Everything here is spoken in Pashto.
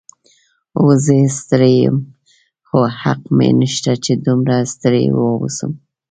هو، زه ستړی یم، خو حق مې نشته چې دومره ستړی واوسم.